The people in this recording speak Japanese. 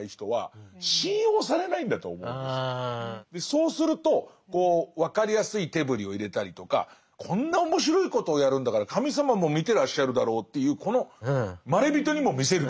そうするとこう分かりやすい手ぶりを入れたりとかこんな面白いことをやるんだから神様も見てらっしゃるだろうという。